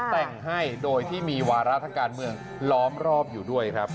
แต่งให้โดยที่มีวาระทางการเมืองล้อมรอบอยู่ด้วยครับ